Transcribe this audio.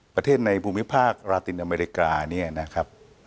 ประเทศในภูมิภาคลาตินอเมริกา